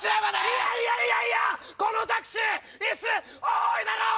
いやいやいやいやこのタクシー椅子多いだろう！